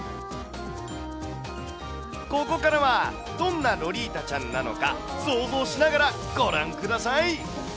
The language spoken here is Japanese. ここからは、どんなロリータちゃんなのか、想像しながらご覧ください。